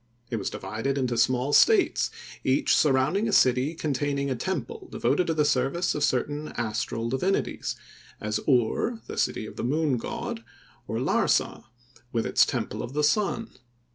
It was divided into small states, each surrounding a city containing a temple devoted to the service of certain astral divinities, as Ur, the city of the Moon God; or Larsa, with its Temple of the Sun.